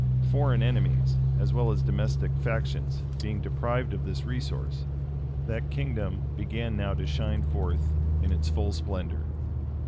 Foreign enemies, as well as domestic factions, being deprived of this resource, that kingdom began now to shine forth in its full splendor.